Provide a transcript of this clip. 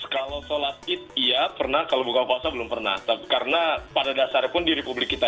kalau sholat id iya pernah kalau buka puasa belum pernah karena pada dasarnya pun di republik kita